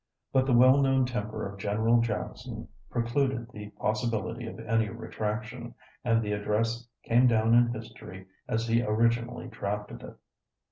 But the well known temper of General Jackson precluded the possibility of any retraction, and the address came down in history as he originally drafted it.